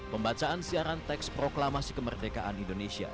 pembacaan siaran teks proklamasi kemerdekaan indonesia